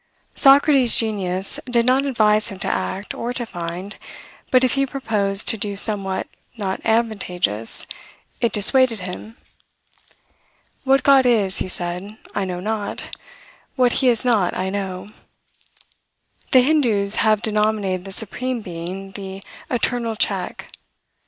Socrates' Genius did not advise him to act or to find, but if he proposed to do somewhat not advantageous, it dissuaded him. "What God is," he said, "I know not; what he is not I know." The Hindoos have denominated the Supreme Being, the "Internal Check."